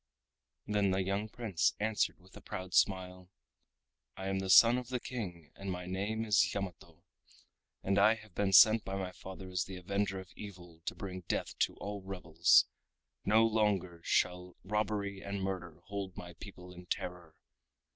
Then the young Prince answered with a proud smile:—"I am the son of the King and my name is Yamato, and I have been sent by my father as the avenger of evil to bring death to all rebels! No longer shall robbery and murder hold my people in terror!"